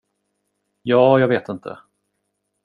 Ja, jag vet inte.